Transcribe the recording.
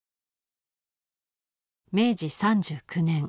明治３９年。